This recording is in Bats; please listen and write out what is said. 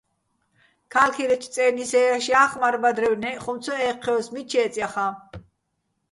ქა́ლქირეჩო̆ წე́ნი სეჼ ჲაშო̆ ჲა́ხე̆ მარ-ბადრევ, ნჵე́ჸ ხუმ ცო ე́ჴჴჲო́ს, მიჩ ჲე́წე̆ ჲახაჼ.